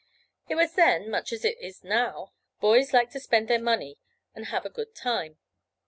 It was then, much as it is now, boys liked to spend their money and have a good time.